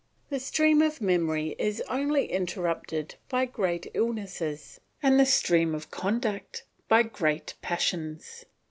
The stream of memory is only interrupted by great illnesses, and the stream of conduct, by great passions.